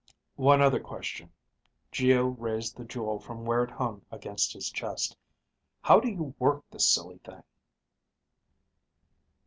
_ "One other question," Geo raised the jewel from where it hung against his chest. "How do you work this silly thing?"